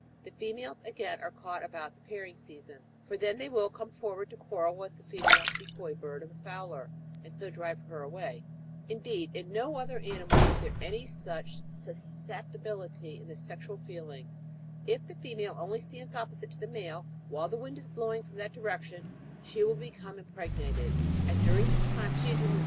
The females, again, are caught about the pairing season ; for then they will come forward ' to quarrel with the female decoy bird of the fowler, and so drive her away. Indeed, in no other animal is there any such susceptibility in the sexual feelings ; if the female only stands opposite to the male, while the wind is blowing fi'om that direction, she" will become im pregnated; and during this time she is in a state of the =1 The Merops apiaster of Linnaeus, or bee eater.